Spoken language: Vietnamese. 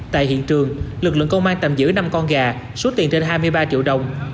tại hiện trường lực lượng công an tạm giữ năm con gà số tiền trên hai mươi ba triệu đồng